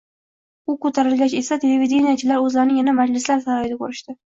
U ko‘tarilgach esa, televideniyechilar o‘zlarini yana majlislar saroyida ko‘rishdi.